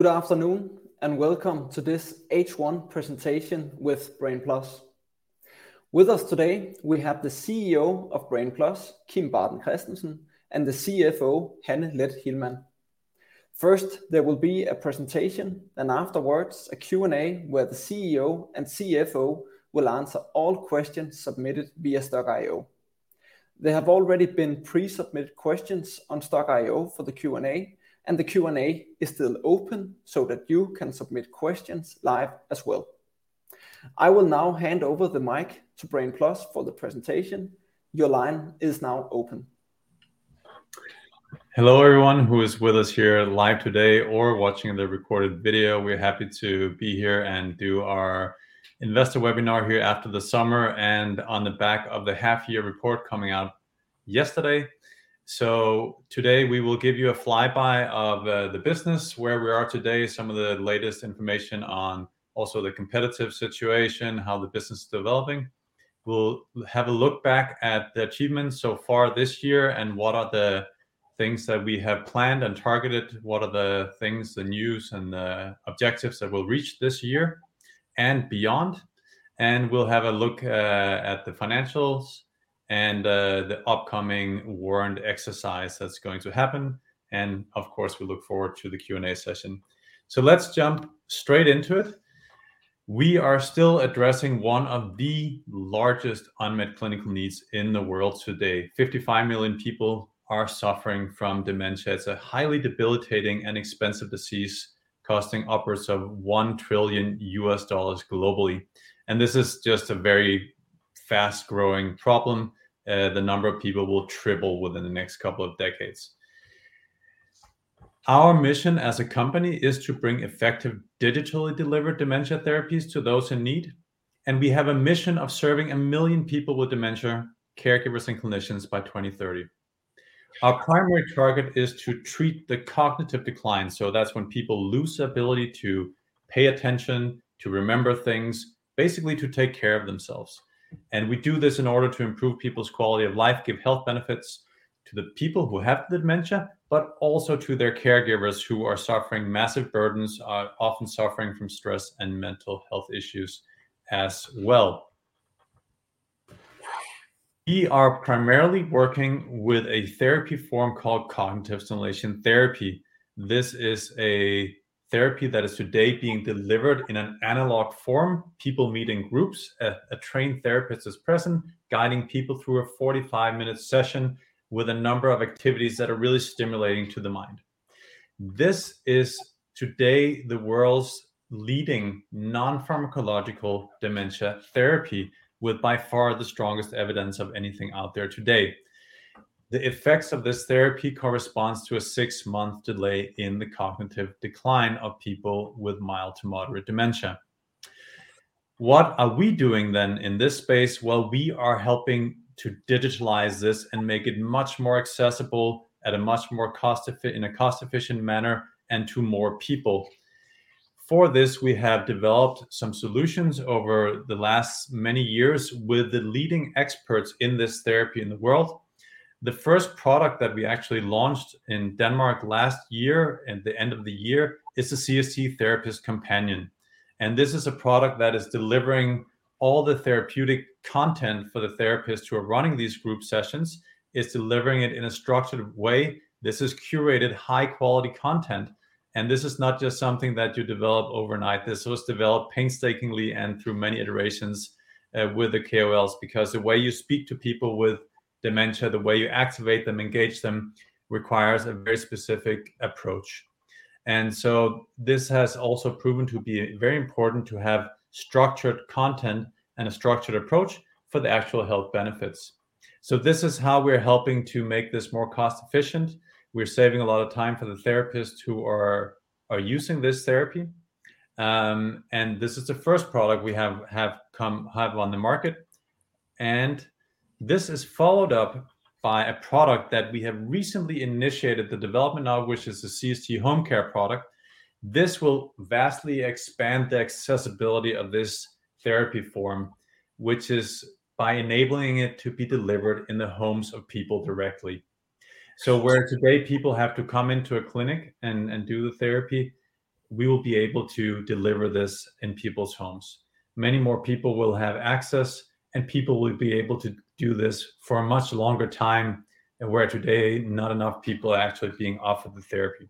Good afternoon, and welcome to this H1 presentation with Brain+! With us today, we have the CEO of Brain+, Kim Baden-Kristensen, and the CFO, Hanne Leth Hillman. First, there will be a presentation, then afterwards, a Q&A where the CEO and CFO will answer all questions submitted via Stokk.io. There have already been pre-submitted questions on Stokk.io for the Q&A, and the Q&A is still open so that you can submit questions live as well. I will now hand over the mic to Brain+ for the presentation. Your line is now open. Hello, everyone who is with us here live today or watching the recorded video. We're happy to be here and do our investor webinar here after the summer and on the back of the half-year report coming out yesterday. So today, we will give you a flyby of the business, where we are today, some of the latest information on also the competitive situation, how the business is developing. We'll have a look back at the achievements so far this year and what are the things that we have planned and targeted, what are the things, the news, and objectives that we'll reach this year and beyond. And we'll have a look at the financials and the upcoming warrant exercise that's going to happen, and of course, we look forward to the Q&A session. So let's jump straight into it. We are still addressing one of the largest unmet clinical needs in the world today. 55 million people are suffering from dementia. It's a highly debilitating and expensive disease, costing upwards of $1 trillion globally, and this is just a very fast-growing problem. The number of people will triple within the next couple of decades. Our mission as a company is to bring effective, digitally delivered dementia therapies to those in need, and we have a mission of serving 1 million people with dementia, caregivers, and clinicians by 2030. Our primary target is to treat the cognitive decline, so that's when people lose the ability to pay attention, to remember things, basically to take care of themselves, and we do this in order to improve people's quality of life, give health benefits to the people who have dementia, but also to their caregivers who are suffering massive burdens, often suffering from stress and mental health issues as well. We are primarily working with a therapy form called cognitive stimulation therapy. This is a therapy that is today being delivered in an analog form. People meet in groups, a trained therapist is present, guiding people through a 45-minute session with a number of activities that are really stimulating to the mind. This is today the world's leading non-pharmacological dementia therapy, with by far the strongest evidence of anything out there today. The effects of this therapy corresponds to a six-month delay in the cognitive decline of people with mild to moderate dementia. What are we doing then in this space? Well, we are helping to digitalize this and make it much more accessible at a much more cost-efficient manner and to more people. For this, we have developed some solutions over the last many years with the leading experts in this therapy in the world. The first product that we actually launched in Denmark last year, at the end of the year, is the CST-Therapist Companion, and this is a product that is delivering all the therapeutic content for the therapists who are running these group sessions. It's delivering it in a structured way. This is curated, high-quality content, and this is not just something that you develop overnight. This was developed painstakingly and through many iterations with the KOLs, because the way you speak to people with dementia, the way you activate them, engage them, requires a very specific approach. And so this has also proven to be very important to have structured content and a structured approach for the actual health benefits. So this is how we're helping to make this more cost-efficient. We're saving a lot of time for the therapists who are using this therapy. And this is the first product we have on the market, and this is followed up by a product that we have recently initiated the development of, which is the CST Home Care product. This will vastly expand the accessibility of this therapy form, which is by enabling it to be delivered in the homes of people directly. So where today people have to come into a clinic and do the therapy, we will be able to deliver this in people's homes. Many more people will have access, and people will be able to do this for a much longer time, and where today, not enough people are actually being offered the therapy.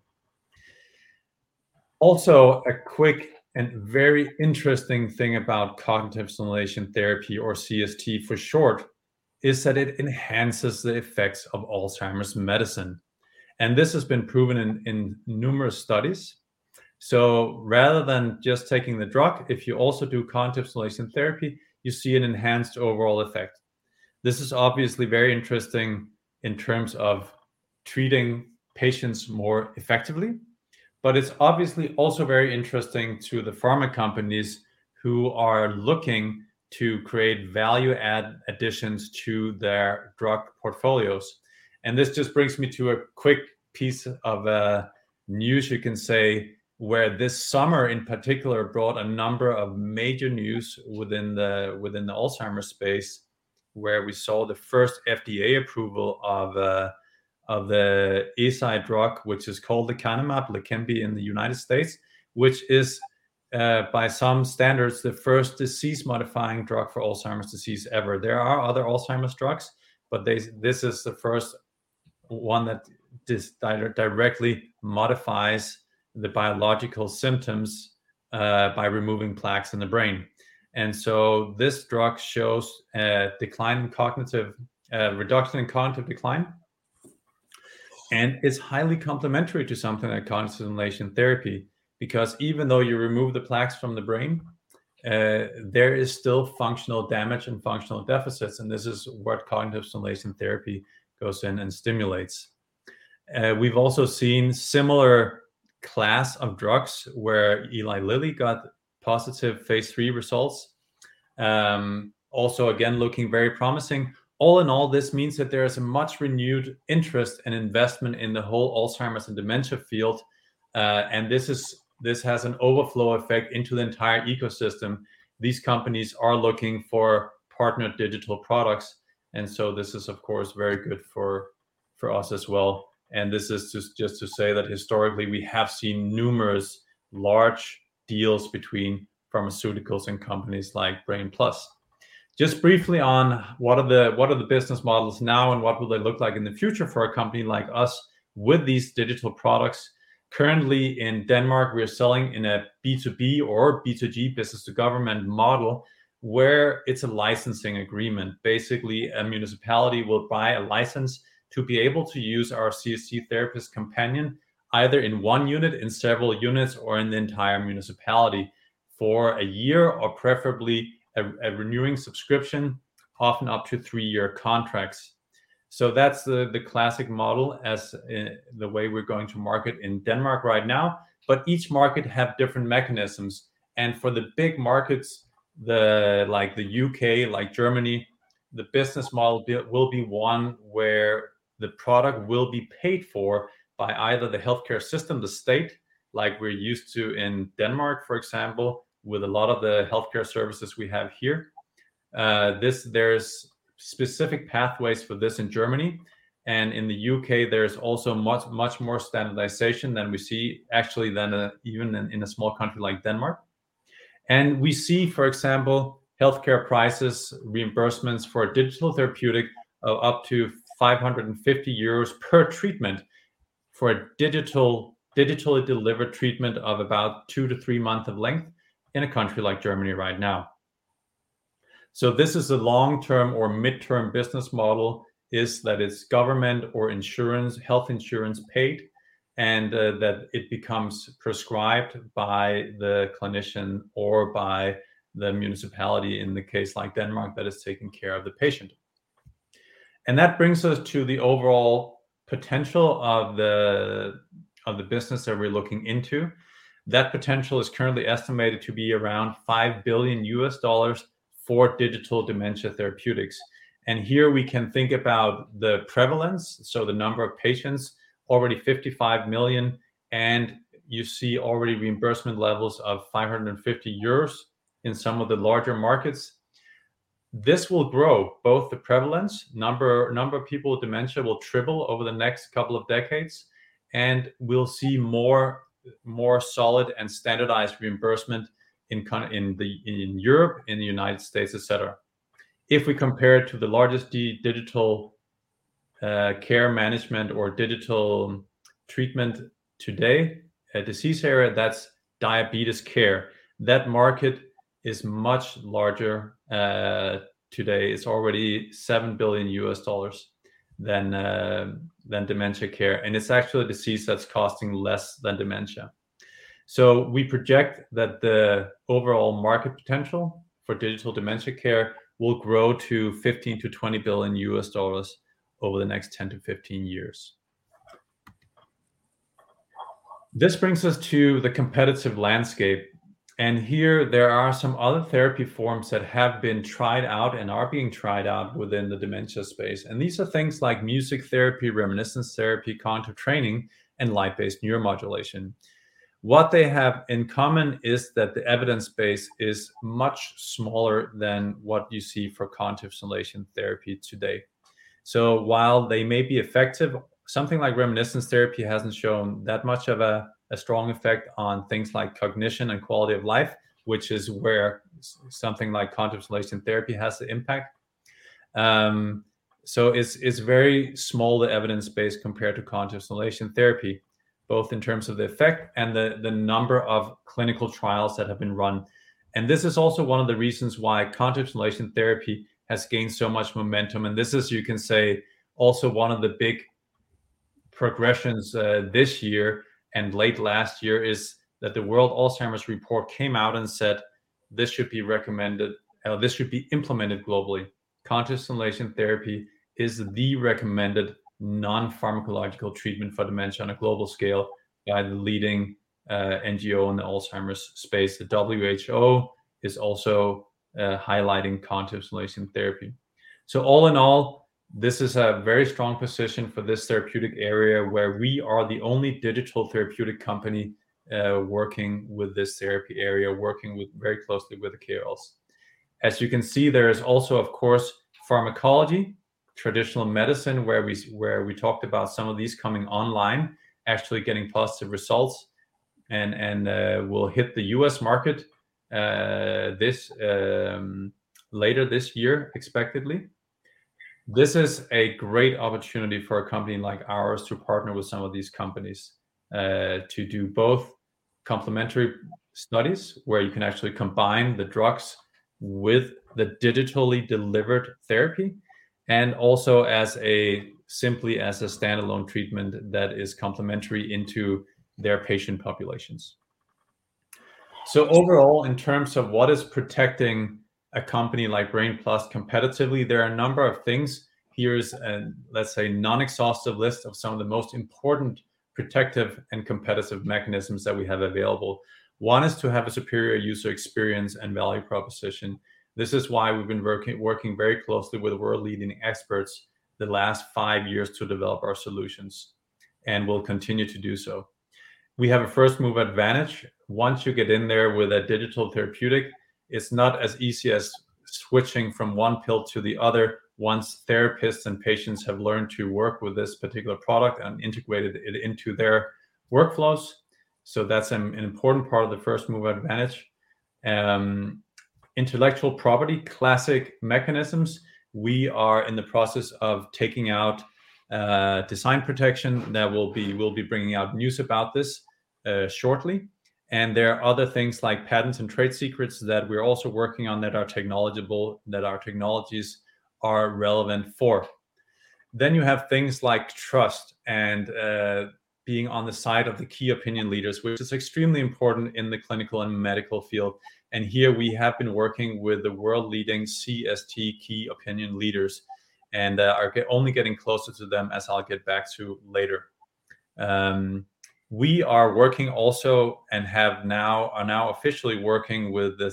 Also, a quick and very interesting thing about cognitive stimulation therapy, or CST for short, is that it enhances the effects of Alzheimer's medicine, and this has been proven in numerous studies. So rather than just taking the drug, if you also do cognitive stimulation therapy, you see an enhanced overall effect. This is obviously very interesting in terms of treating patients more effectively, but it's obviously also very interesting to the pharma companies who are looking to create value add additions to their drug portfolios. This just brings me to a quick piece of news, you can say, where this summer, in particular, brought a number of major news within the Alzheimer's space, where we saw the first FDA approval of the Eisai drug, which is called Lecanemab, Leqembi in the United States, which is, by some standards, the first disease-modifying drug for Alzheimer's disease ever. There are other Alzheimer's drugs, but this is the first one that directly modifies the biological symptoms by removing plaques in the brain. And so this drug shows a decline in cognitive reduction in cognitive decline, and is highly complementary to something like cognitive stimulation therapy, because even though you remove the plaques from the brain, there is still functional damage and functional deficits, and this is what cognitive stimulation therapy goes in and stimulates. We've also seen similar class of drugs, where Eli Lilly got positive phase 3 results. Also, again, looking very promising. All in all, this means that there is a much renewed interest and investment in the whole Alzheimer's and dementia field, and this has an overflow effect into the entire ecosystem. These companies are looking for partner digital products, and so this is, of course, very good for us as well, and this is just to say that historically we have seen numerous large deals between pharmaceuticals and companies like Brain+. Just briefly on what are the business models now, and what will they look like in the future for a company like us with these digital products? Currently, in Denmark, we are selling in a B2B or B2G, business to government, model, where it's a licensing agreement. Basically, a municipality will buy a license to be able to use our CST-Therapist Companion, either in one unit, in several units, or in the entire municipality for a year, or preferably a renewing subscription, often up to three-year contracts. So that's the classic model as the way we're going to market in Denmark right now, but each market have different mechanisms, and for the big markets, like the U.K., like Germany, the business model will be one where the product will be paid for by either the healthcare system, the state, like we're used to in Denmark, for example, with a lot of the healthcare services we have here. There's specific pathways for this in Germany, and in the U.K. there's also much, much more standardization than we see actually than even in a small country like Denmark. We see, for example, healthcare prices, reimbursements for a digital therapeutic of up to 550 euros per treatment for a digital, digitally delivered treatment of about two to three months of length in a country like Germany right now. This is a long-term or mid-term business model, in that it's government or insurance, health insurance paid, and that it becomes prescribed by the clinician or by the municipality, in the case like Denmark, that is taking care of the patient. That brings us to the overall potential of the business that we're looking into. That potential is currently estimated to be around $5 billion for digital dementia therapeutics, and here we can think about the prevalence, so the number of patients, already 55 million, and you see already reimbursement levels of 550 euros in some of the larger markets. This will grow, both the prevalence, number, number of people with dementia will triple over the next couple of decades, and we'll see more, more solid and standardized reimbursement in the, in Europe, in the United States, et cetera. If we compare it to the largest digital, care management or digital treatment today, a disease area, that's diabetes care. That market is much larger, today. It's already $7 billion than, than dementia care, and it's actually a disease that's costing less than dementia. So we project that the overall market potential for digital dementia care will grow to $15 billion-$20 billion over the next 10-15 years. This brings us to the competitive landscape, and here there are some other therapy forms that have been tried out and are being tried out within the dementia space, and these are things like music therapy, reminiscence therapy, cognitive training, and light-based neuromodulation. What they have in common is that the evidence base is much smaller than what you see for cognitive stimulation therapy today. So while they may be effective, something like reminiscence therapy hasn't shown that much of a strong effect on things like cognition and quality of life, which is where something like cognitive stimulation therapy has the impact. So it's very small, the evidence base, compared to cognitive stimulation therapy, both in terms of the effect and the number of clinical trials that have been run, and this is also one of the reasons why cognitive stimulation therapy has gained so much momentum. This is, you can say, also one of the big progressions, this year and late last year, is that the World Alzheimer's Report came out and said, "This should be recommended... This should be implemented globally. Cognitive stimulation therapy is the recommended non-pharmacological treatment for dementia on a global scale" by the leading NGO in the Alzheimer's space. The WHO is also highlighting cognitive stimulation therapy. So all in all, this is a very strong position for this therapeutic area, where we are the only digital therapeutic company working with this therapy area, working very closely with the KOLs. As you can see, there is also, of course, pharmacology, traditional medicine, where we talked about some of these coming online, actually getting positive results, and will hit the U.S. market this later this year, expectedly. This is a great opportunity for a company like ours to partner with some of these companies to do both complementary studies, where you can actually combine the drugs with the digitally delivered therapy, and also as simply as a standalone treatment that is complementary into their patient populations. So overall, in terms of what is protecting a company like Brain+ competitively, there are a number of things. Here's an, let's say, non-exhaustive list of some of the most important protective and competitive mechanisms that we have available. One is to have a superior user experience and value proposition. This is why we've been working very closely with world-leading experts the last five years to develop our solutions, and we'll continue to do so. We have a first-mover advantage. Once you get in there with a digital therapeutic, it's not as easy as switching from one pill to the other once therapists and patients have learned to work with this particular product and integrated it into their workflows. So that's an important part of the first-mover advantage. Intellectual property, classic mechanisms, we are in the process of taking out design protection. We'll be bringing out news about this shortly. There are other things like patents and trade secrets that we're also working on that are technological, that our technologies are relevant for. Then you have things like trust and, being on the side of the key opinion leaders, which is extremely important in the clinical and medical field. Here, we have been working with the world-leading CST key opinion leaders, and are only getting closer to them, as I'll get back to later. We are working also, and have now, are now officially working with the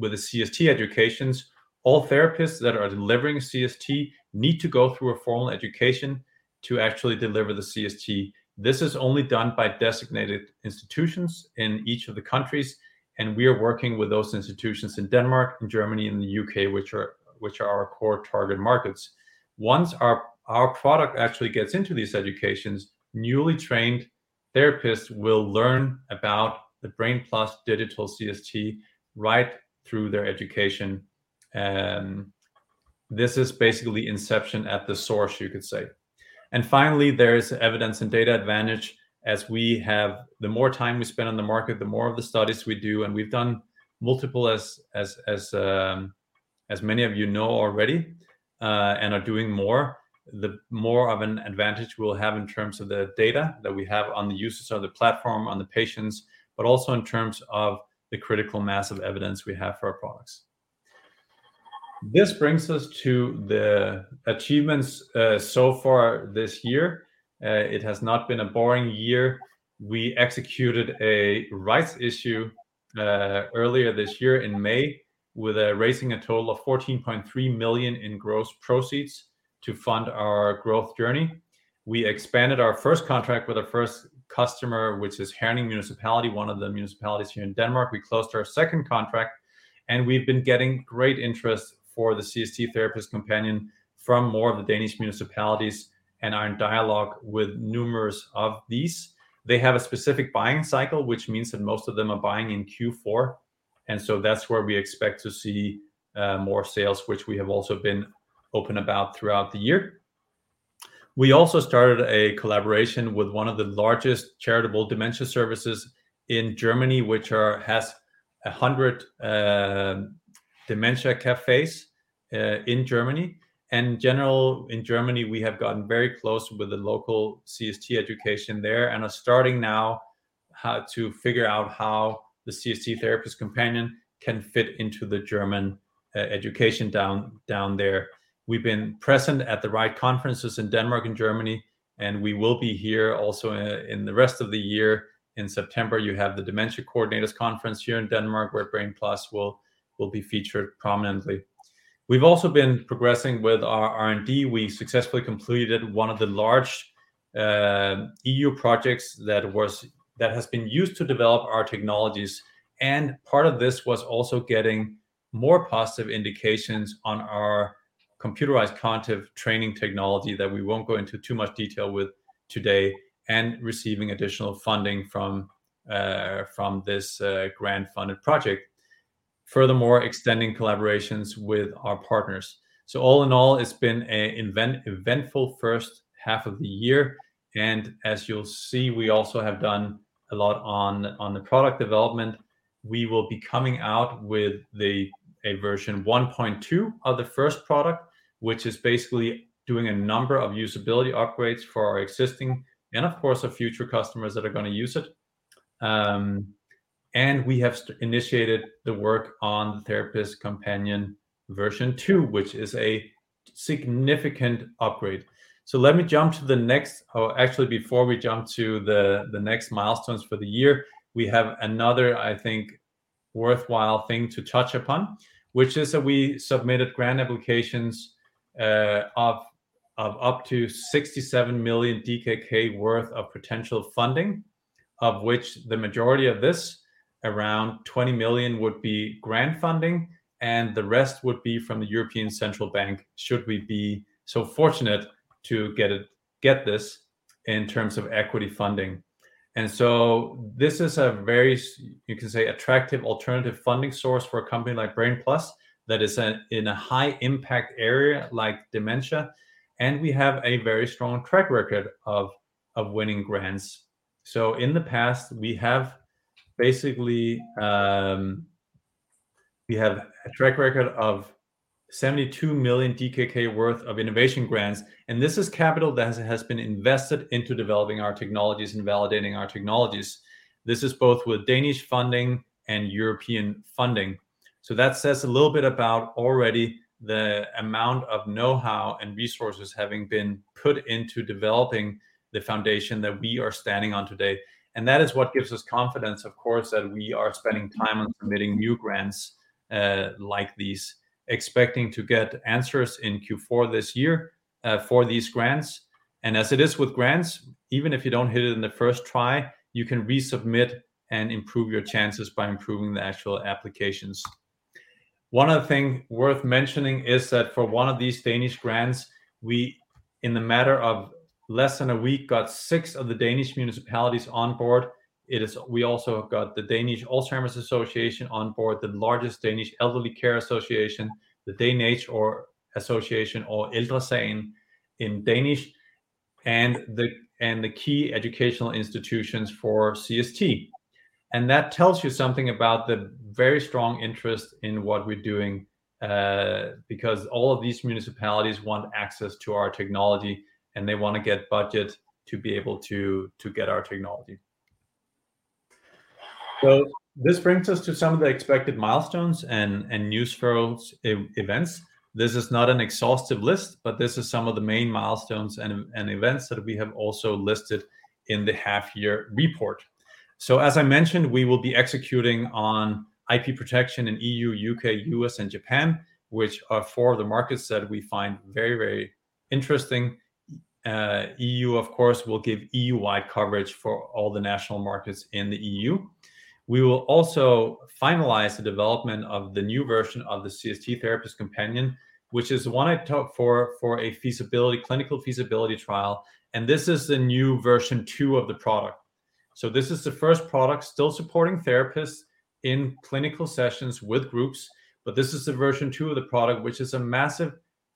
CST educations. All therapists that are delivering CST need to go through a formal education to actually deliver the CST. This is only done by designated institutions in each of the countries, and we are working with those institutions in Denmark, in Germany, and the U.K., which are our core target markets. Once our product actually gets into these educations, newly trained therapists will learn about the Brain+ digital CST right through their education. This is basically inception at the source, you could say. And finally, there is evidence and data advantage, as we have the more time we spend on the market, the more of the studies we do, and we've done multiple, as many of you know already, and are doing more, the more of an advantage we'll have in terms of the data that we have on the users of the platform, on the patients, but also in terms of the critical mass of evidence we have for our products. This brings us to the achievements so far this year. It has not been a boring year. We executed a rights issue earlier this year in May, raising a total of 14.3 million in gross proceeds to fund our growth journey. We expanded our first contract with our first customer, which is Herning Municipality, one of the municipalities here in Denmark. We closed our second contract, and we've been getting great interest for the CST-Therapist Companion from more of the Danish municipalities, and are in dialogue with numerous of these. They have a specific buying cycle, which means that most of them are buying in Q4, and so that's where we expect to see more sales, which we have also been open about throughout the year. We also started a collaboration with one of the largest charitable dementia services in Germany, which has 100 dementia cafes in Germany. And in general, in Germany, we have gotten very close with the local CST education there, and are starting now how to figure out how the CST-Therapist Companion can fit into the German education down there. We've been present at the right conferences in Denmark and Germany, and we will be here also in the rest of the year. In September, you have the Dementia Coordinators Conference here in Denmark, where Brain+ will be featured prominently. We've also been progressing with our R&D. We successfully completed one of the large EU projects that has been used to develop our technologies, and part of this was also getting more positive indications on our computerized cognitive training technology, that we won't go into too much detail with today, and receiving additional funding from this grant-funded project. Furthermore, extending collaborations with our partners. So all in all, it's been an eventful first half of the year, and as you'll see, we also have done a lot on the product development. We will be coming out with a version 1.2 of the first product, which is basically doing a number of usability upgrades for our existing, and of course, our future customers that are going to use it. And we have initiated the work on Therapist Companion version 2, which is a significant upgrade. So let me jump to the next, or actually before we jump to the next milestones for the year, we have another, I think, worthwhile thing to touch upon, which is that we submitted grant applications of up to 67 million DKK worth of potential funding, of which the majority of this, around 20 million, would be grant funding, and the rest would be from the European Central Bank, should we be so fortunate to get it in terms of equity funding. And so this is a very, you can say, attractive alternative funding source for a company like Brain+ that is at, in a high impact area like dementia, and we have a very strong track record of, of winning grants. So in the past, we have basically, we have a track record of 72 million DKK worth of innovation grants, and this is capital that has been invested into developing our technologies and validating our technologies. This is both with Danish funding and European funding. So that says a little bit about already the amount of know-how and resources having been put into developing the foundation that we are standing on today, and that is what gives us confidence, of course, that we are spending time on submitting new grants, like these, expecting to get answers in Q4 this year, for these grants. As it is with grants, even if you don't hit it in the first try, you can resubmit and improve your chances by improving the actual applications. One other thing worth mentioning is that for one of these Danish grants, we, in the matter of less than a week, got six of the Danish municipalities on board. It is. We also have got the Danish Alzheimer's Association on board, the largest Danish elderly care association, the DaneAge or Association or Ældre Sagen in Danish, and the key educational institutions for CST. And that tells you something about the very strong interest in what we're doing, because all of these municipalities want access to our technology, and they want to get budget to be able to get our technology. So this brings us to some of the expected milestones and news for e-events. This is not an exhaustive list, but this is some of the main milestones and events that we have also listed in the half year report. So as I mentioned, we will be executing on IP protection in EU, U.K., U.S., and Japan, which are 4 of the markets that we find very, very interesting. EU, of course, will give EU-wide coverage for all the national markets in the EU. We will also finalize the development of the new version of the CST-Therapist Companion, which is the one I talked for a feasibility clinical feasibility trial, and this is the new version 2 of the product. So this is the first product, still supporting therapists in clinical sessions with groups, but this is the version 2 of the product, which is a massive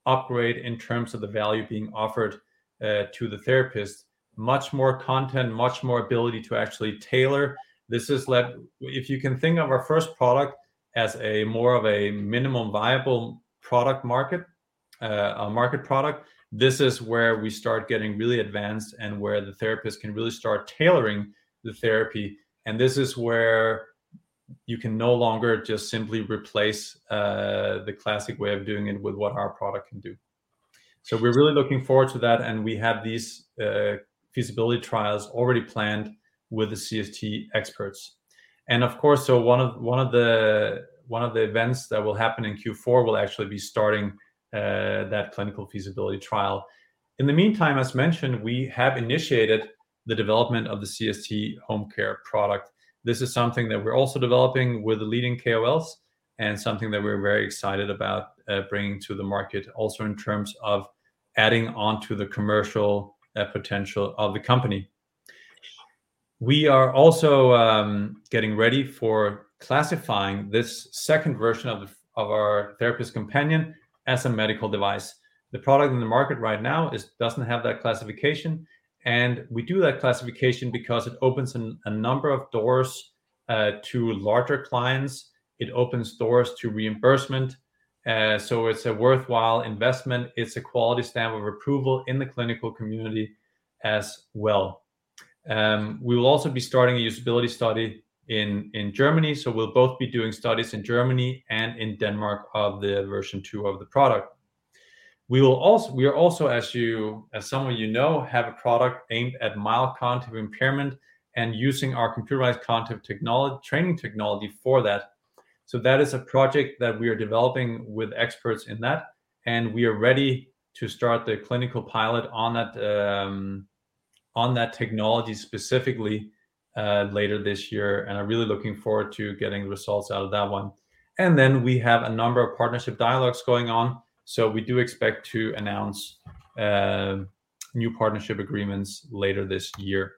upgrade in terms of the value being offered to the therapist. Much more content, much more ability to actually tailor. This is like, If you can think of our first product as a more of a minimum viable product market, a market product, this is where we start getting really advanced and where the therapist can really start tailoring the therapy, and this is where you can no longer just simply replace the classic way of doing it with what our product can do. So we're really looking forward to that, and we have these feasibility trials already planned with the CST experts. And of course, one of the events that will happen in Q4 will actually be starting that clinical feasibility trial. In the meantime, as mentioned, we have initiated the development of the CST home care product. This is something that we're also developing with the leading KOLs and something that we're very excited about bringing to the market also in terms of adding on to the commercial potential of the company. We are also getting ready for classifying this second version of our Therapist Companion as a medical device. The product in the market right now doesn't have that classification, and we do that classification because it opens a number of doors to larger clients. It opens doors to reimbursement, so it's a worthwhile investment. It's a quality stamp of approval in the clinical community as well. We will also be starting a usability study in Germany, so we'll both be doing studies in Germany and in Denmark of the version two of the product. We are also, as some of you know, have a product aimed at mild cognitive impairment and using our computerized cognitive training technology for that. So that is a project that we are developing with experts in that, and we are ready to start the clinical pilot on that technology specifically later this year, and I'm really looking forward to getting the results out of that one. And then we have a number of partnership dialogues going on, so we do expect to announce new partnership agreements later this year.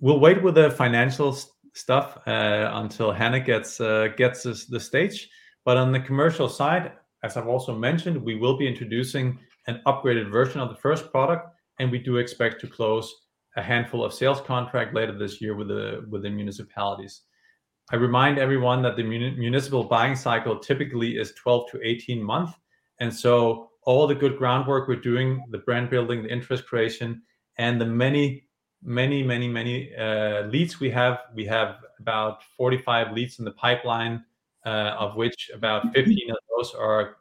We'll wait with the financial stuff until Hanne gets the stage. But on the commercial side, as I've also mentioned, we will be introducing an upgraded version of the first product, and we do expect to close a handful of sales contract later this year with the municipalities. I remind everyone that the municipal buying cycle typically is 12-18 months, and so all the good groundwork we're doing, the brand building, the interest creation, and the many leads we have. We have about 45 leads in the pipeline, of which about 15 of those are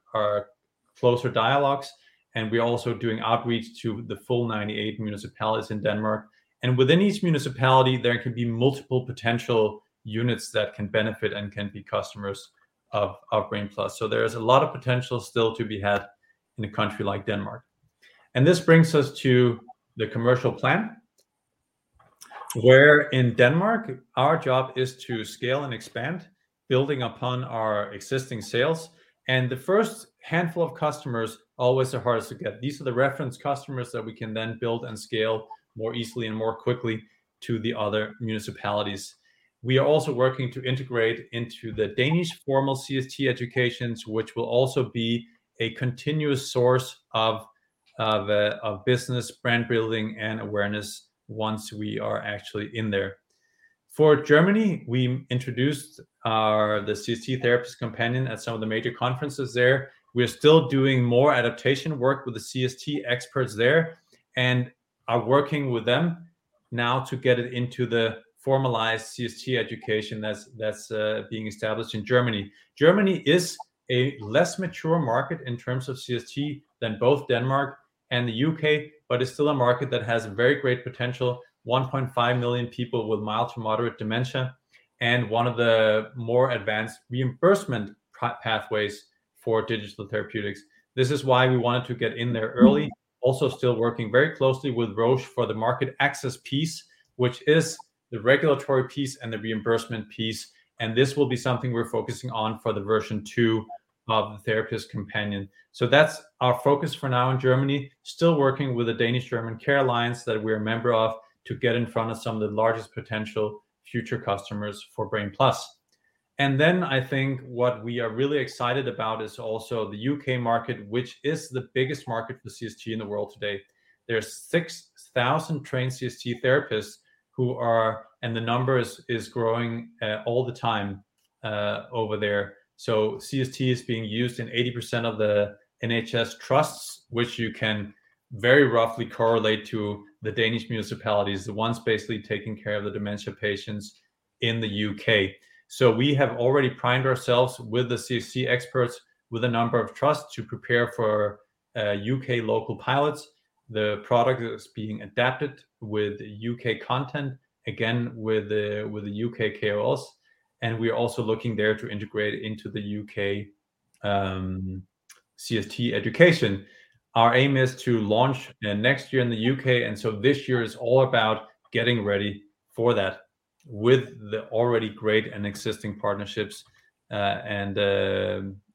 closer dialogues, and we're also doing outreach to the full 98 municipalities in Denmark. And within each municipality, there can be multiple potential units that can benefit and can be customers of Brain+. So there is a lot of potential still to be had in a country like Denmark. This brings us to the commercial plan, where in Denmark, our job is to scale and expand, building upon our existing sales. The first handful of customers always are hardest to get. These are the reference customers that we can then build and scale more easily and more quickly to the other municipalities. We are also working to integrate into the Danish formal CST educations, which will also be a continuous source of business, brand building, and awareness once we are actually in there. For Germany, we introduced the CST-Therapist Companion at some of the major conferences there. We are still doing more adaptation work with the CST experts there, and are working with them now to get it into the formalized CST education that's being established in Germany. Germany is a less mature market in terms of CST than both Denmark and the U.K., but it's still a market that has very great potential, 1.5 million people with mild to moderate dementia, and one of the more advanced reimbursement pathways for digital therapeutics. This is why we wanted to get in there early. Also, still working very closely with Roche for the market access piece, which is the regulatory piece and the reimbursement piece, and this will be something we're focusing on for the version 2 of the Therapist Companion. So that's our focus for now in Germany. Still working with the Danish-German Care Alliance, that we're a member of, to get in front of some of the largest potential future customers for Brain+. I think what we are really excited about is also the UK market, which is the biggest market for CST in the world today. There's 6,000 trained CST therapists who are... and the number is growing all the time over there. So CST is being used in 80% of the NHS trusts, which you can very roughly correlate to the Danish municipalities, the ones basically taking care of the dementia patients in the UK. So we have already primed ourselves with the CST experts, with a number of trusts to prepare for UK local pilots. The product is being adapted with UK content, again, with the UK KOLs, and we're also looking there to integrate into the UK CST education. Our aim is to launch next year in the UK, and so this year is all about getting ready for that with the already great and existing partnerships, and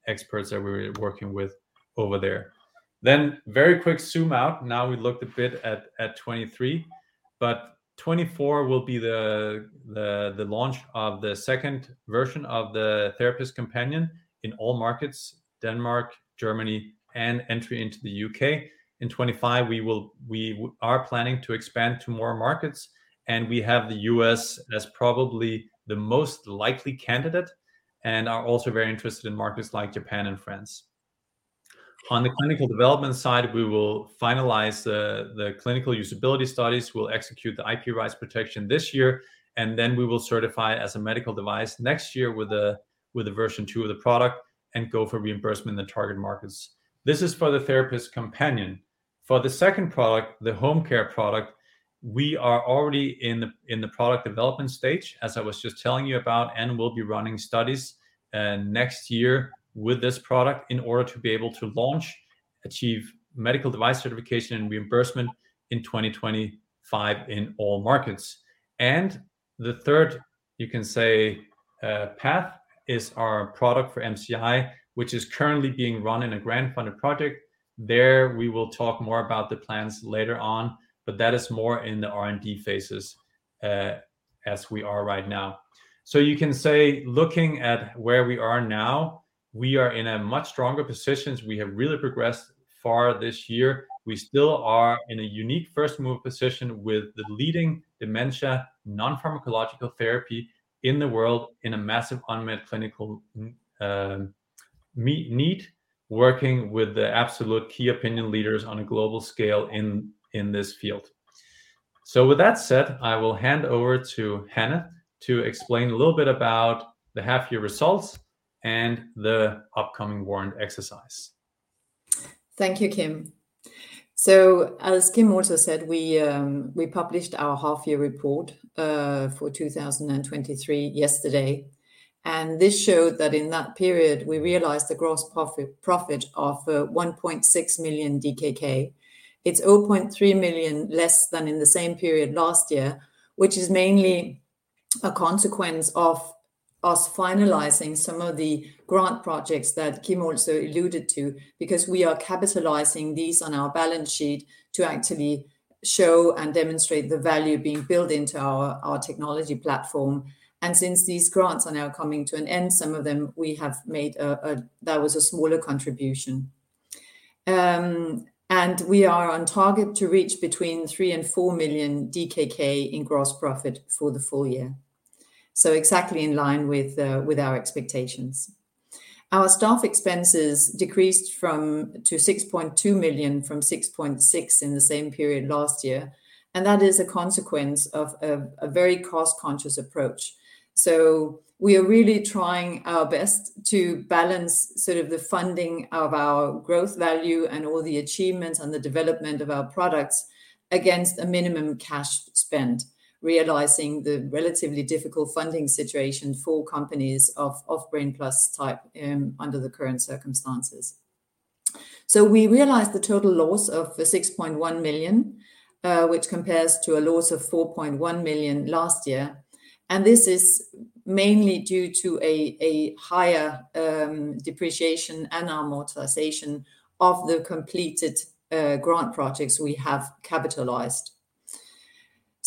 experts that we're working with over there. Then very quick zoom out. Now, we looked a bit at 2023, but 2024 will be the launch of the second version of the Therapist Companion in all markets, Denmark, Germany, and entry into the UK. In 2025, we are planning to expand to more markets, and we have the US as probably the most likely candidate, and are also very interested in markets like Japan and France. On the clinical development side, we will finalize the clinical usability studies. We'll execute the IP rights protection this year, and then we will certify as a medical device next year with a version 2 of the product and go for reimbursement in the target markets. This is for the Therapist Companion. For the second product, the home care product, we are already in the product development stage, as I was just telling you about, and we'll be running studies next year with this product in order to be able to launch, achieve medical device certification and reimbursement in 2025 in all markets. And the third, you can say, path is our product for MCI, which is currently being run in a grant-funded project. There, we will talk more about the plans later on, but that is more in the R&D phases, as we are right now. So you can say, looking at where we are now, we are in a much stronger position. We have really progressed far this year. We still are in a unique first-move position with the leading dementia non-pharmacological therapy in the world, in a massive unmet clinical need, working with the absolute key opinion leaders on a global scale in this field. So with that said, I will hand over to Hanne to explain a little bit about the half-year results and the upcoming warrant exercise. Thank you, Kim. So as Kim also said, we published our half-year report for 2023 yesterday, and this showed that in that period, we realized a gross profit of 1.6 million DKK. It's 0.3 million less than in the same period last year, which is mainly a consequence of us finalizing some of the grant projects that Kim also alluded to, because we are capitalizing these on our balance sheet to actually show and demonstrate the value being built into our technology platform. And since these grants are now coming to an end, some of them, that was a smaller contribution. And we are on target to reach between 3 million and 4 million DKK in gross profit for the full year, so exactly in line with our expectations. Our staff expenses decreased from DKK 6.6 million to 6.2 million in the same period last year, and that is a consequence of a very cost-conscious approach. So we are really trying our best to balance sort of the funding of our growth value and all the achievements and the development of our products against a minimum cash spend, realizing the relatively difficult funding situation for companies of Brain+ type under the current circumstances. So we realized a total loss of 6.1 million, which compares to a loss of 4.1 million last year, and this is mainly due to a higher depreciation and amortization of the completed grant projects we have capitalized.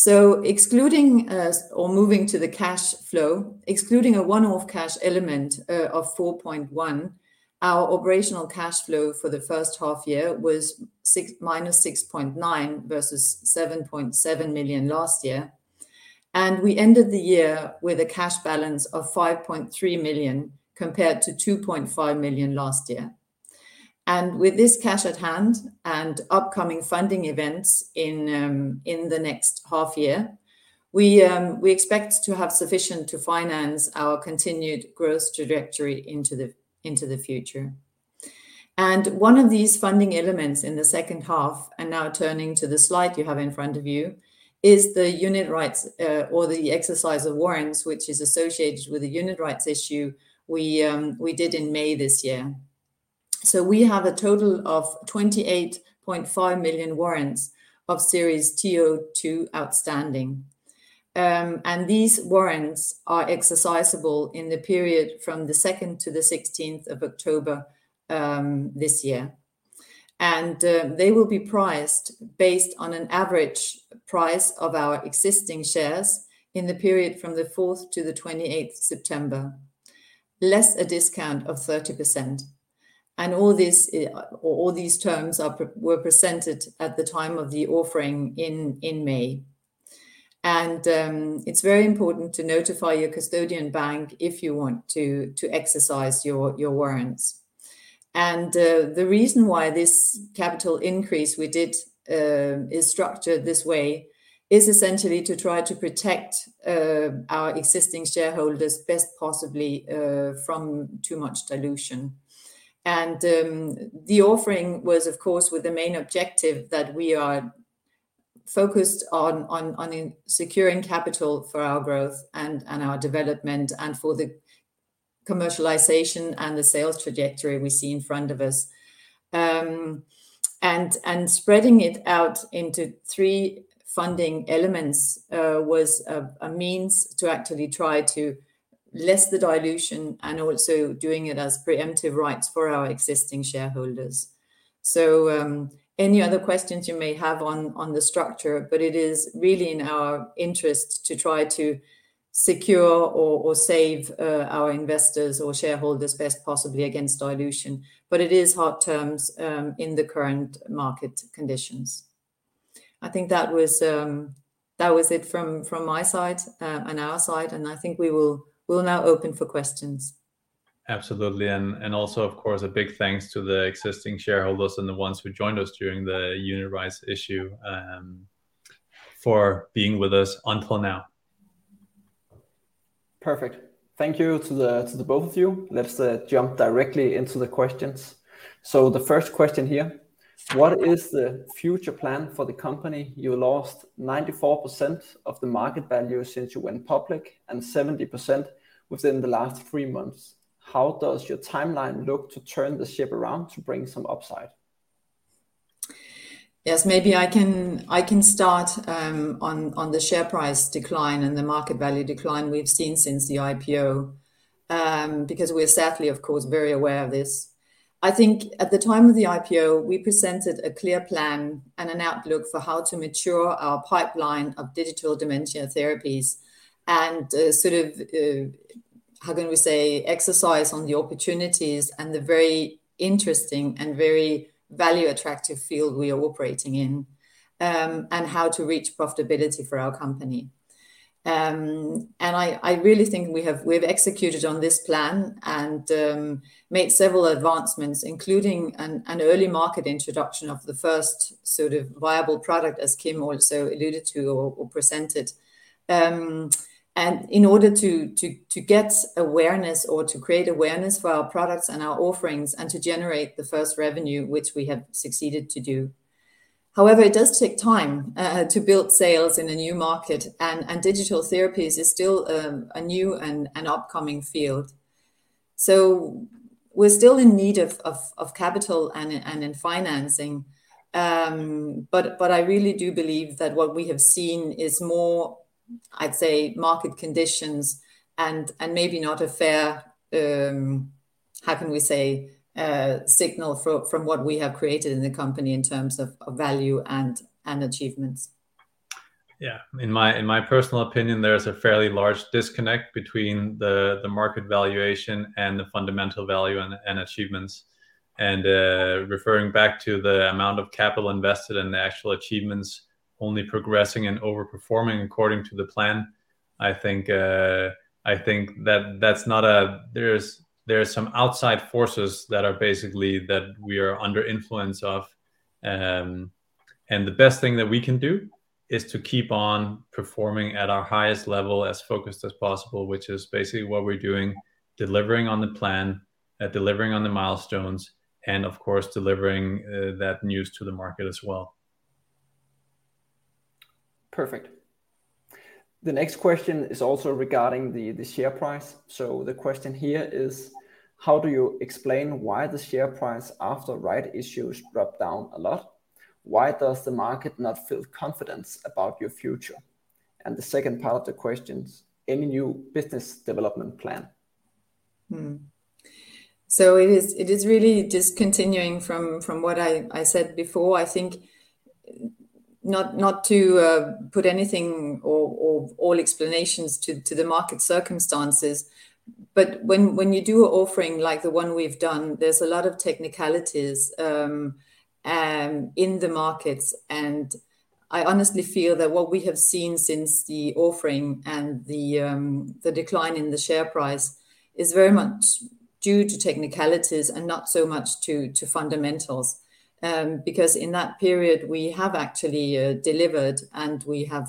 So excluding or moving to the cash flow, excluding a one-off cash element of 4.1 million, our operational cash flow for the first half year was minus 6.9 versus 7.7 million last year. We ended the year with a cash balance of 5.3 million compared to 2.5 million last year. With this cash at hand and upcoming funding events in the next half year, we expect to have sufficient to finance our continued growth trajectory into the future. One of these funding elements in the second half, and now turning to the slide you have in front of you, is the unit rights or the exercise of warrants, which is associated with the unit rights issue we did in May this year. We have a total of 28.5 million warrants of Series TO2 outstanding. These warrants are exercisable in the period from the 2nd-16th of October this year. They will be priced based on an average price of our existing shares in the period from the 4th-28th of September, less a discount of 30%. All these terms were presented at the time of the offering in May. It's very important to notify your custodian bank if you want to exercise your warrants. The reason why this capital increase we did is structured this way is essentially to try to protect our existing shareholders best possibly from too much dilution. The offering was, of course, with the main objective that we are focused on securing capital for our growth and our development, and for the commercialization and the sales trajectory we see in front of us. Spreading it out into three funding elements was a means to actively try to lessen the dilution and also doing it as preemptive rights for our existing shareholders. Any other questions you may have on the structure, but it is really in our interest to try to secure or save our investors or shareholders best possibly against dilution. But it is hard terms in the current market conditions. I think that was it from my side and our side, and I think we'll now open for questions. Absolutely. And also, of course, a big thanks to the existing shareholders and the ones who joined us during the unit rights issue for being with us until now. Perfect. Thank you to the both of you. Let's jump directly into the questions. So the first question here: What is the future plan for the company? You lost 94% of the market value since you went public and 70% within the last three months. How does your timeline look to turn the ship around to bring some upside? Yes, maybe I can... I can start on the share price decline and the market value decline we've seen since the IPO, because we are sadly, of course, very aware of this. I think at the time of the IPO, we presented a clear plan and an outlook for how to mature our pipeline of digital dementia therapies and, sort of, how can we say, exercise on the opportunities and the very interesting and very value attractive field we are operating in, and how to reach profitability for our company. And I really think we have, we've executed on this plan and made several advancements, including an early market introduction of the first sort of viable product, as Kim also alluded to or presented. And in order to get awareness or to create awareness for our products and our offerings and to generate the first revenue, which we have succeeded to do. However, it does take time to build sales in a new market, and digital therapies is still a new and an upcoming field. So we're still in need of capital and in financing. But I really do believe that what we have seen is more, I'd say, market conditions and maybe not a fair, how can we say, signal from what we have created in the company in terms of value and achievements. Yeah. In my personal opinion, there is a fairly large disconnect between the market valuation and the fundamental value and achievements. And referring back to the amount of capital invested and the actual achievements only progressing and overperforming according to the plan... I think there's some outside forces that are basically that we are under influence of. And the best thing that we can do is to keep on performing at our highest level, as focused as possible, which is basically what we're doing, delivering on the plan, delivering on the milestones, and of course, delivering that news to the market as well. Perfect. The next question is also regarding the share price. So the question here is: How do you explain why the share price after rights issues dropped down a lot? Why does the market not feel confidence about your future? And the second part of the question, any new business development plan? Hmm. So it is really just continuing from what I said before. I think not to put anything or all explanations to the market circumstances, but when you do an offering like the one we've done, there's a lot of technicalities in the markets. And I honestly feel that what we have seen since the offering and the decline in the share price is very much due to technicalities and not so much to fundamentals. Because in that period we have actually delivered and we have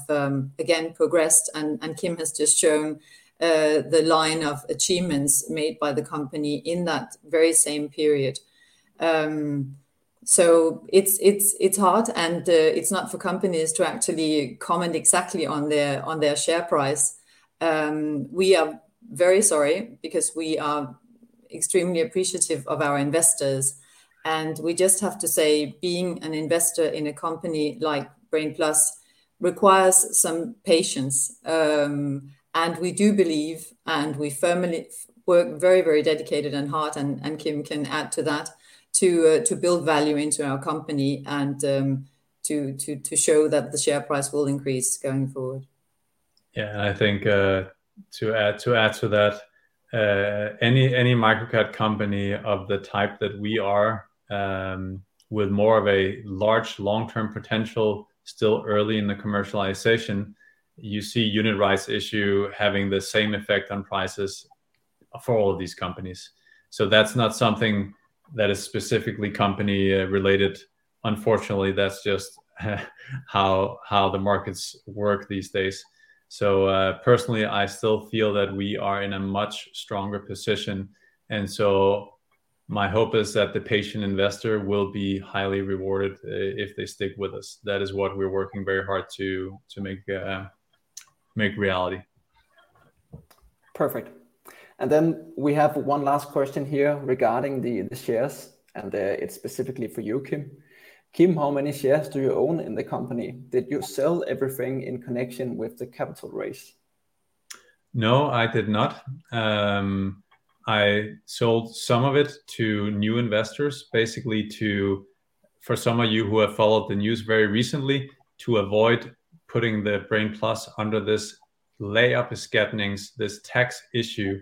again progressed, and Kim has just shown the line of achievements made by the company in that very same period. So it's hard, and it's not for companies to actually comment exactly on their share price. We are very sorry, because we are extremely appreciative of our investors, and we just have to say, being an investor in a company like Brain+ requires some patience. And we do believe, and we firmly work very, very dedicated and hard, and Kim can add to that, to build value into our company and, to show that the share price will increase going forward. Yeah, and I think, to add to that, any microcap company of the type that we are, with more of a large long-term potential, still early in the commercialization, you see unit rights issue having the same effect on prices for all of these companies. So that's not something that is specifically company related. Unfortunately, that's just how the markets work these days. So, personally, I still feel that we are in a much stronger position, and so my hope is that the patient investor will be highly rewarded, if they stick with us. That is what we're working very hard to make reality. Perfect. And then we have one last question here regarding the shares, and it's specifically for you, Kim. Kim, how many shares do you own in the company? Did you sell everything in connection with the capital raise? No, I did not. I sold some of it to new investors, basically to... for some of you who have followed the news very recently, to avoid putting the Brain+ under this lagerbeskatning, this tax issue,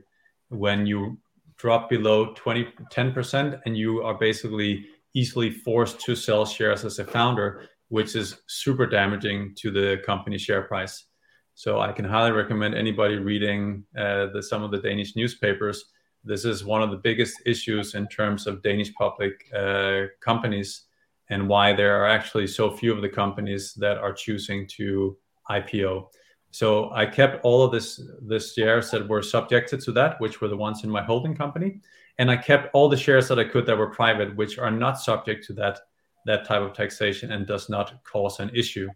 when you drop below 20-10%, and you are basically easily forced to sell shares as a founder, which is super damaging to the company share price. So I can highly recommend anybody reading, some of the Danish newspapers, this is one of the biggest issues in terms of Danish public companies and why there are actually so few of the companies that are choosing to IPO. So I kept all of the shares that were subjected to that, which were the ones in my holding company, and I kept all the shares that I could that were private, which are not subject to that, that type of taxation and does not cause an issue.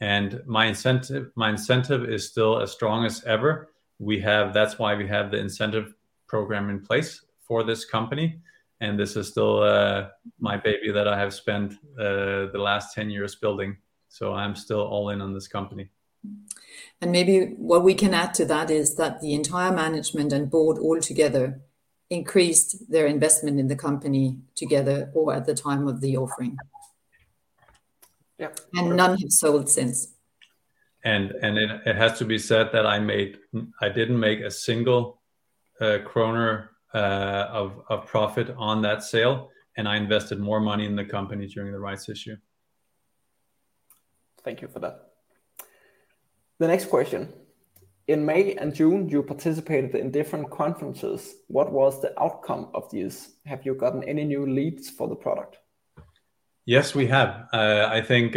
My incentive, my incentive is still as strong as ever. That's why we have the incentive program in place for this company, and this is still my baby that I have spent the last 10 years building. So I'm still all in on this company. Maybe what we can add to that is that the entire management and board altogether increased their investment in the company together or at the time of the offering. Yep. None have sold since. It has to be said that I didn't make a single DKK of profit on that sale, and I invested more money in the company during the rights issue. Thank you for that. The next question: In May and June, you participated in different conferences. What was the outcome of these? Have you gotten any new leads for the product? Yes, we have. I think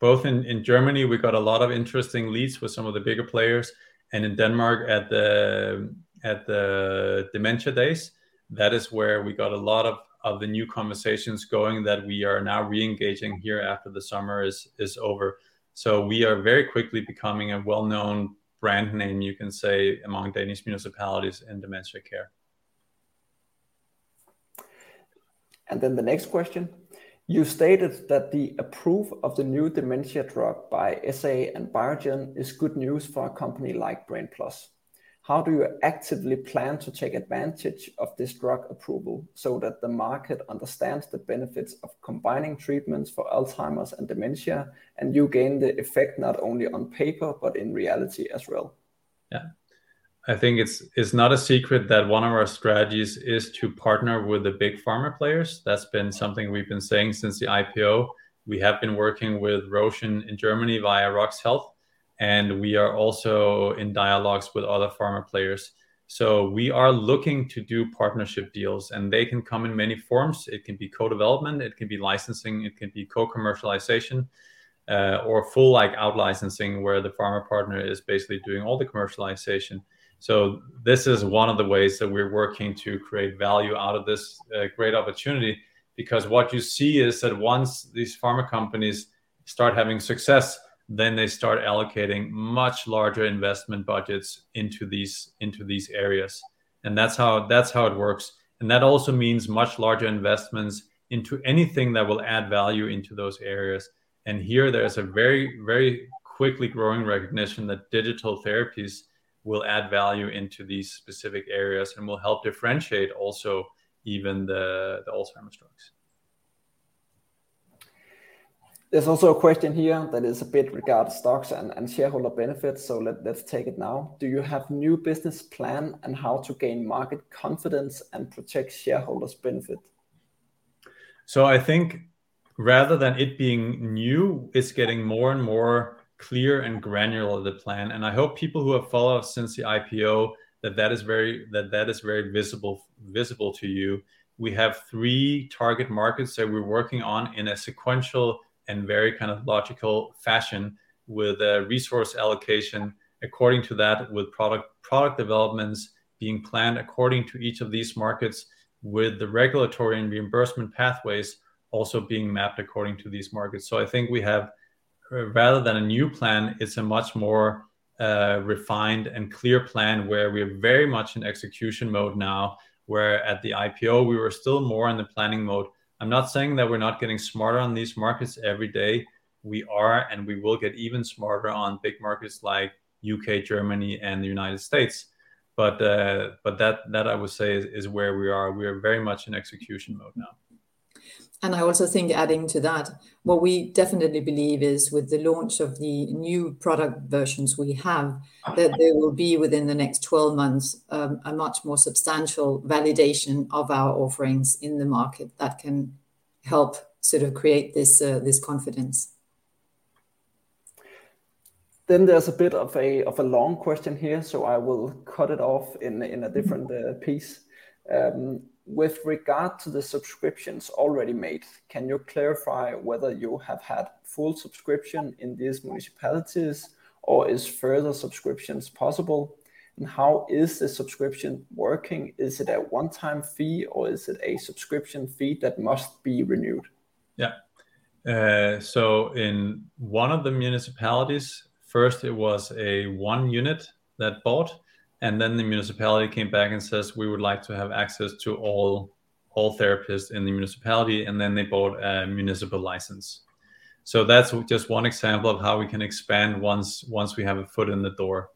both in Germany, we got a lot of interesting leads with some of the bigger players, and in Denmark, at the Dementia Days, that is where we got a lot of the new conversations going that we are now re-engaging here after the summer is over. So we are very quickly becoming a well-known brand name, you can say, among Danish municipalities in dementia care. Then the next question: You stated that the approval of the new dementia drug by Eisai and Biogen is good news for a company like Brain+. How do you actively plan to take advantage of this drug approval so that the market understands the benefits of combining treatments for Alzheimer's and dementia, and you gain the effect not only on paper, but in reality as well? Yeah, I think it's not a secret that one of our strategies is to partner with the big pharma players. That's been something we've been saying since the IPO. We have been working with Roche in Germany via RoX Health, and we are also in dialogues with other pharma players. So we are looking to do partnership deals, and they can come in many forms. It can be co-development, it can be licensing, it can be co-commercialization, or full like out-licensing, where the pharma partner is basically doing all the commercialization. So this is one of the ways that we're working to create value out of this great opportunity, because what you see is that once these pharma companies start having success, then they start allocating much larger investment budgets into these areas. That's how, that's how it works, and that also means much larger investments into anything that will add value into those areas. Here there is a very, very quickly growing recognition that digital therapies will add value into these specific areas and will help differentiate also even the Alzheimer's drugs. There's also a question here that is a bit with regard to stocks and shareholder benefits, so let's take it now. Do you have new business plan on how to gain market confidence and protect shareholders' benefit? So I think rather than it being new, it's getting more and more clear and granular, the plan. And I hope people who have followed us since the IPO, that that is very visible to you. We have three target markets that we're working on in a sequential and very kind of logical fashion, with a resource allocation according to that, with product developments being planned according to each of these markets, with the regulatory and reimbursement pathways also being mapped according to these markets. So I think we have, rather than a new plan, it's a much more refined and clear plan, where we are very much in execution mode now, where at the IPO we were still more in the planning mode. I'm not saying that we're not getting smarter on these markets every day. We are, and we will get even smarter on big markets like UK, Germany, and the United States. But that I would say is where we are. We are very much in execution mode now. I also think adding to that, what we definitely believe is with the launch of the new product versions we have, that there will be, within the next 12 months, a much more substantial validation of our offerings in the market that can help sort of create this, this confidence. Then there's a bit of a long question here, so I will cut it off in a different piece. With regard to the subscriptions already made, can you clarify whether you have had full subscription in these municipalities, or is further subscriptions possible? And how is the subscription working? Is it a one-time fee, or is it a subscription fee that must be renewed? Yeah. So in one of the municipalities, first it was a one unit that bought, and then the municipality came back and says, "We would like to have access to all therapists in the municipality," and then they bought a municipal license. That's just one example of how we can expand once we have a foot in the door.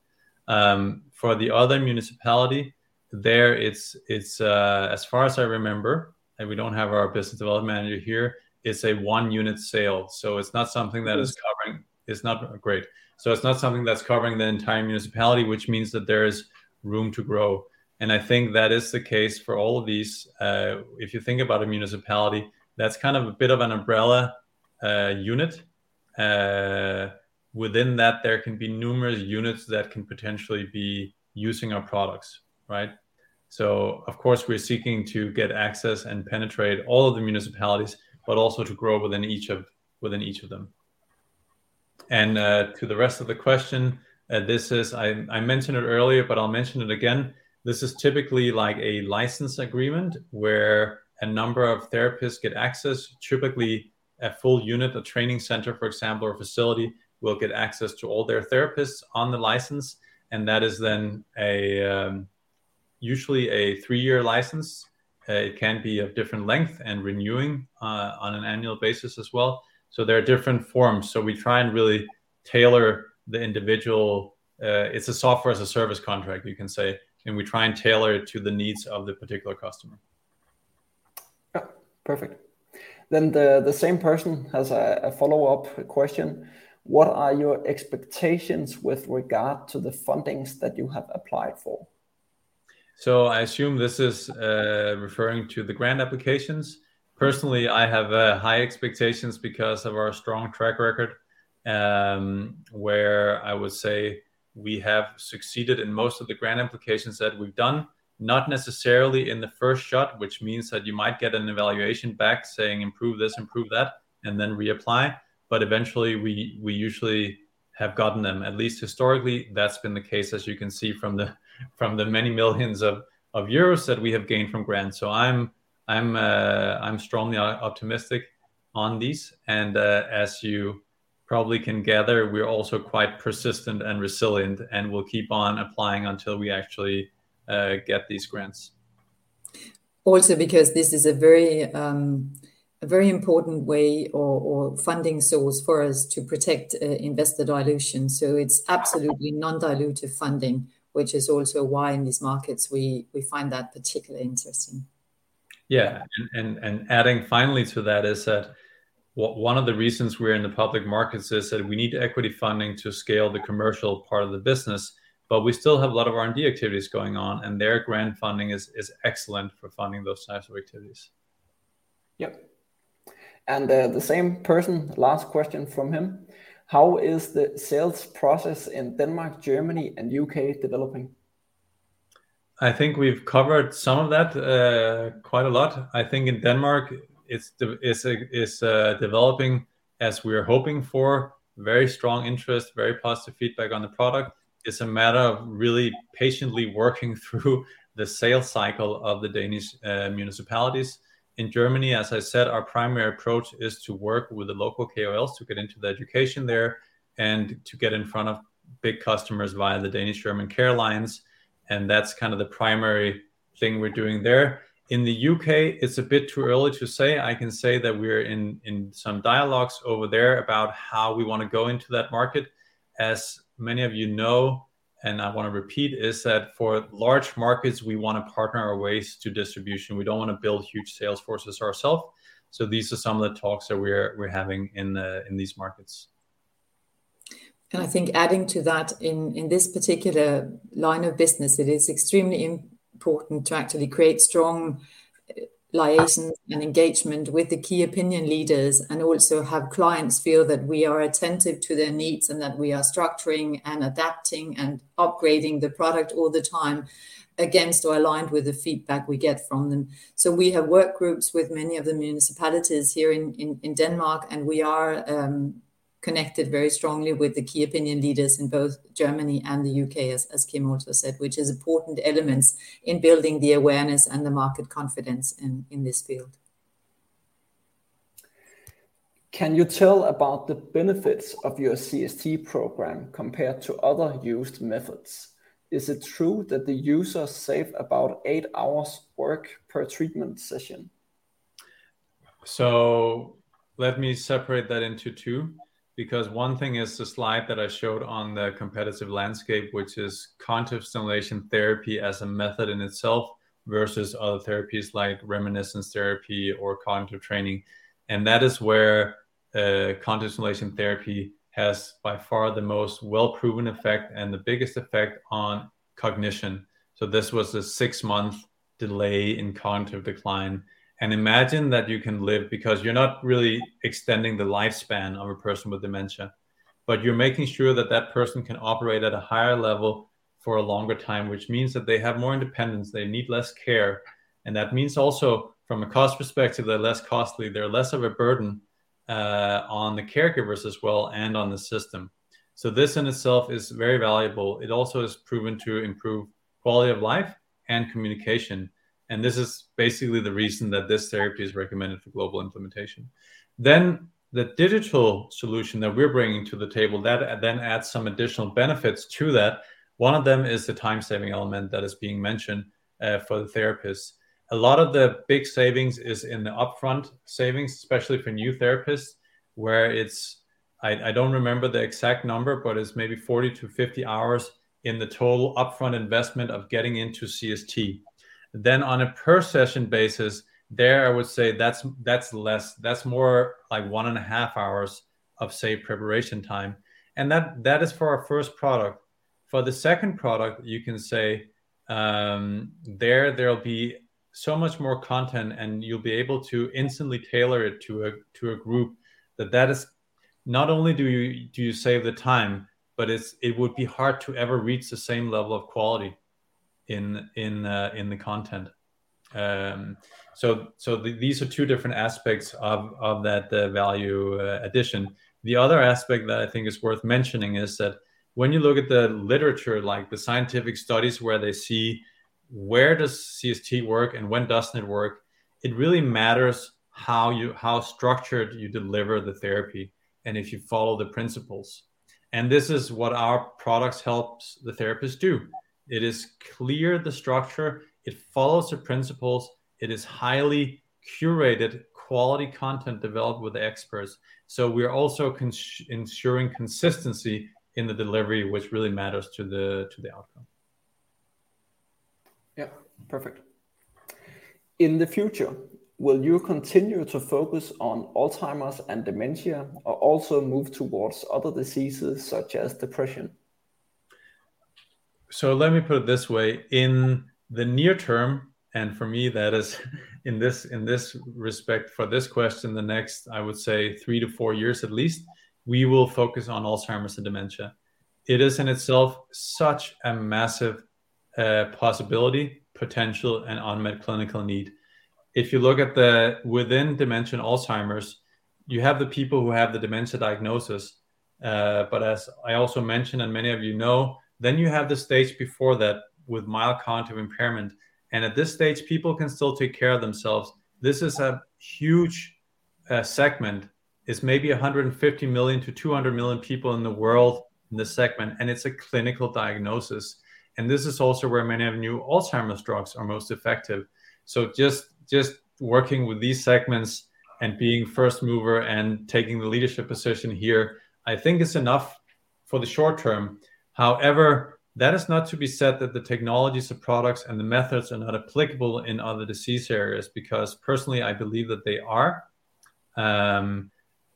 For the other municipality, there it's as far as I remember, and we don't have our business development manager here, it's a one-unit sale. It's not something that is covering- Good. ...It's not great. So it's not something that's covering the entire municipality, which means that there is room to grow, and I think that is the case for all of these. If you think about a municipality, that's kind of a bit of an umbrella unit. Within that, there can be numerous units that can potentially be using our products, right? So of course, we're seeking to get access and penetrate all of the municipalities, but also to grow within each of, within each of them. And, to the rest of the question, this is... I, I mentioned it earlier, but I'll mention it again. This is typically like a license agreement, where a number of therapists get access, typically a full unit, a training center, for example, or facility, will get access to all their therapists on the license, and that is then usually a three-year license. It can be of different length and renewing on an annual basis as well. So there are different forms. So we try and really tailor the individual. It's a software as a service contract, you can say, and we try and tailor it to the needs of the particular customer. Yeah, perfect. Then the same person has a follow-up question: What are your expectations with regard to the fundings that you have applied for? So I assume this is referring to the grant applications. Personally, I have high expectations because of our strong track record, where I would say we have succeeded in most of the grant applications that we've done. Not necessarily in the first shot, which means that you might get an evaluation back saying, "Improve this, improve that," and then reapply, but eventually, we usually have gotten them. At least historically, that's been the case, as you can see from the many millions of euros that we have gained from grants. So I'm strongly optimistic on these. And, as you probably can gather, we're also quite persistent and resilient, and we'll keep on applying until we actually get these grants. Also, because this is a very, a very important way or funding source for us to protect investor dilution. So it's absolutely non-dilutive funding, which is also why in these markets, we find that particularly interesting. Yeah, adding finally to that is that one of the reasons we're in the public markets is that we need equity funding to scale the commercial part of the business, but we still have a lot of R&D activities going on, and their grant funding is excellent for funding those types of activities. Yep. And, the same person, last question from him: How is the sales process in Denmark, Germany, and UK developing? I think we've covered some of that, quite a lot. I think in Denmark, it's developing as we are hoping for. Very strong interest, very positive feedback on the product. It's a matter of really patiently working through the sales cycle of the Danish municipalities. In Germany, as I said, our primary approach is to work with the local KOLs to get into the education there and to get in front of big customers via the Danish-German care lines, and that's kind of the primary thing we're doing there. In the UK, it's a bit too early to say. I can say that we're in some dialogues over there about how we want to go into that market. As many of you know, and I want to repeat, is that for large markets, we want to partner our ways to distribution. We don't want to build huge sales forces ourself, so these are some of the talks that we're having in these markets. I think adding to that, in this particular line of business, it is extremely important to actually create strong liaisons and engagement with the key opinion leaders, and also have clients feel that we are attentive to their needs, and that we are structuring, and adapting, and upgrading the product all the time against or aligned with the feedback we get from them. We have work groups with many of the municipalities here in Denmark, and we are connected very strongly with the key opinion leaders in both Germany and the UK, as Kim also said, which is important elements in building the awareness and the market confidence in this field. Can you tell about the benefits of your CST program compared to other used methods? Is it true that the users save about eight hours work per treatment session? Let me separate that into two, because one thing is the slide that I showed on the competitive landscape, which is Cognitive Stimulation Therapy as a method in itself versus other therapies like reminiscence therapy or cognitive training. That is where Cognitive Stimulation Therapy has, by far, the most well-proven effect and the biggest effect on cognition. This was a 6-month delay in cognitive decline. Imagine that you can live... Because you're not really extending the lifespan of a person with dementia, but you're making sure that that person can operate at a higher level for a longer time, which means that they have more independence, they need less care, and that means also from a cost perspective, they're less costly, they're less of a burden on the caregivers as well, and on the system. This in itself is very valuable. It also has proven to improve quality of life and communication, and this is basically the reason that this therapy is recommended for global implementation. Then, the digital solution that we're bringing to the table, that, then adds some additional benefits to that. One of them is the time-saving element that is being mentioned, for the therapists. A lot of the big savings is in the upfront savings, especially for new therapists, where it's—I don't remember the exact number, but it's maybe 40-50 hours in the total upfront investment of getting into CST. Then on a per session basis, there I would say that's, that's less, that's more like 1.5 hours of, say, preparation time, and that, that is for our first product. For the second product, you can say, there'll be so much more content, and you'll be able to instantly tailor it to a group that is. Not only do you save the time, but it would be hard to ever reach the same level of quality in the content. So these are two different aspects of that value addition. The other aspect that I think is worth mentioning is that when you look at the literature, like the scientific studies, where they see does CST work and when doesn't it work, it really matters how structured you deliver the therapy and if you follow the principles. This is what our products helps the therapists do. It is clear the structure. It follows the principles. It is highly curated quality content developed with experts. So we're also ensuring consistency in the delivery, which really matters to the outcome. Yeah, perfect. In the future, will you continue to focus on Alzheimer's and dementia or also move towards other diseases such as depression? So let me put it this way. In the near term, and for me, that is in this, in this respect, for this question, the next, I would say, three-four years at least, we will focus on Alzheimer's and dementia. It is in itself such a massive possibility, potential, and unmet clinical need. If you look at within dementia and Alzheimer's, you have the people who have the dementia diagnosis, but as I also mentioned, and many of you know, then you have the stage before that with mild cognitive impairment, and at this stage, people can still take care of themselves. This is a huge segment. It's maybe 150 million-200 million people in the world in this segment, and it's a clinical diagnosis, and this is also where many of the new Alzheimer's drugs are most effective. So just, just working with these segments, and being first mover, and taking the leadership position here, I think is enough for the short term. However, that is not to be said that the technologies, the products, and the methods are not applicable in other disease areas, because personally, I believe that they are.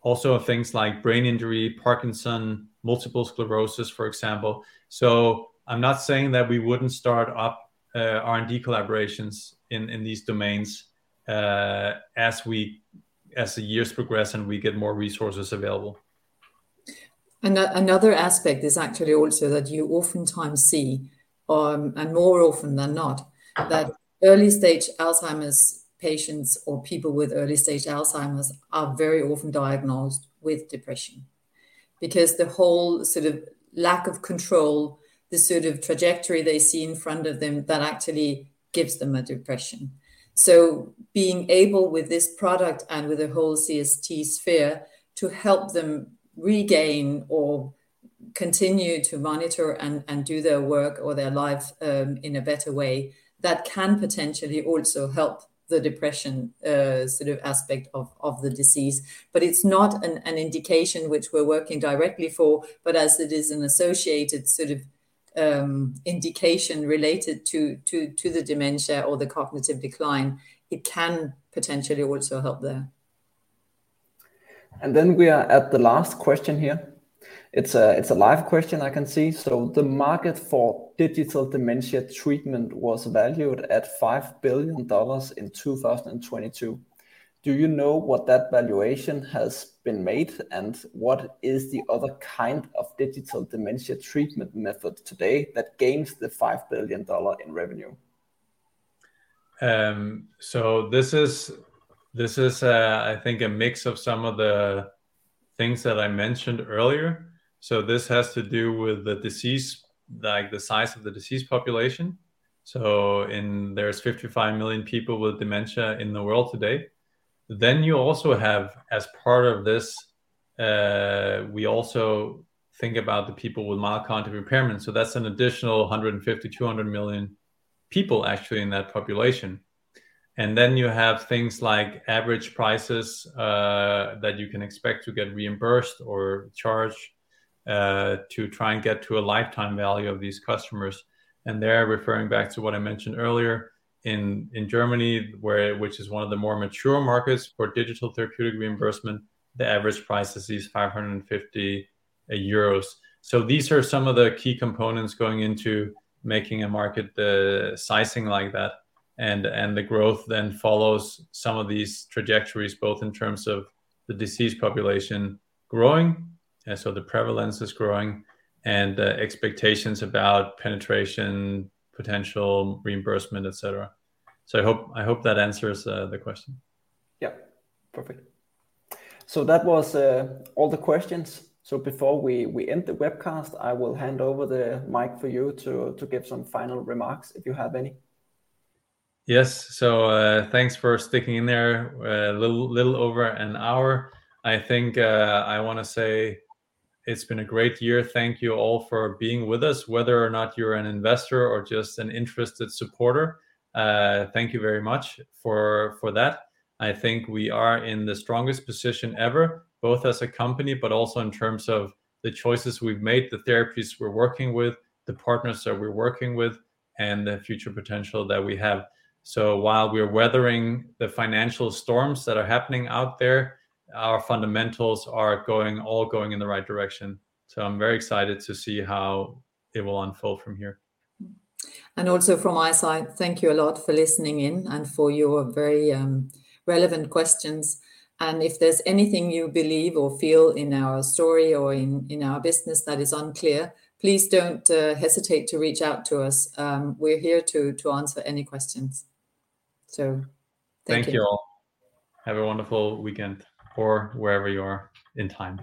Also things like brain injury, Parkinson, multiple sclerosis, for example. So I'm not saying that we wouldn't start up R&D collaborations in these domains, as the years progress, and we get more resources available. Another aspect is actually also that you oftentimes see, and more often than not that early-stage Alzheimer's patients or people with early-stage Alzheimer's are very often diagnosed with depression. Because the whole sort of lack of control, the sort of trajectory they see in front of them, that actually gives them a depression. So being able, with this product and with the whole CST sphere, to help them regain or continue to monitor and do their work or their life, in a better way, that can potentially also help the depression, sort of aspect of the disease. But it's not an indication which we're working directly for, but as it is an associated sort of indication related to the dementia or the cognitive decline, it can potentially also help there. Then we are at the last question here. It's a, it's a live question I can see. The market for digital dementia treatment was valued at $5 billion in 2022. Do you know what that valuation has been made, and what is the other kind of digital dementia treatment method today that gains the $5 billion in revenue? So this is, I think a mix of some of the things that I mentioned earlier. So this has to do with the disease, like the size of the disease population. So there's 55 million people with dementia in the world today. Then you also have, as part of this, we also think about the people with mild cognitive impairment, so that's an additional 150-200 million people actually in that population. And then you have things like average prices that you can expect to get reimbursed or charged to try and get to a lifetime value of these customers, and there, referring back to what I mentioned earlier, in Germany, which is one of the more mature markets for digital therapeutic reimbursement, the average price is 550 euros. So these are some of the key components going into making a market sizing like that, and the growth then follows some of these trajectories, both in terms of the disease population growing, and so the prevalence is growing, and the expectations about penetration, potential reimbursement, et cetera. So I hope, I hope that answers the question. Yep, perfect. So that was all the questions. So before we end the webcast, I will hand over the mic for you to give some final remarks, if you have any. Yes. So, thanks for sticking in there, a little over an hour. I think, I want to say it's been a great year. Thank you all for being with us. Whether or not you're an investor or just an interested supporter, thank you very much for that. I think we are in the strongest position ever, both as a company, but also in terms of the choices we've made, the therapies we're working with, the partners that we're working with, and the future potential that we have. So while we're weathering the financial storms that are happening out there, our fundamentals are all going in the right direction. So I'm very excited to see how it will unfold from here. Also from my side, thank you a lot for listening in and for your very relevant questions. And if there's anything you believe or feel in our story or in our business that is unclear, please don't hesitate to reach out to us. We're here to answer any questions. So thank you. Thank you all. Have a wonderful weekend or wherever you are in time.